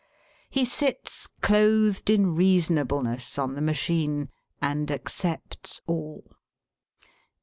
He sits clothed in reasonableness on the machine, and accepts all.